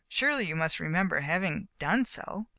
Surely you must remember having done so.'